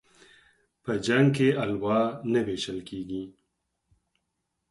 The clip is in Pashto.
په جنگ کې الوا نه ويشل کېږي.